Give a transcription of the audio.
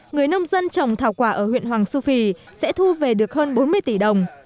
người nông dân trồng thảo quả ở huyện hoàng su phi sẽ thu về được hơn bốn mươi tỷ đồng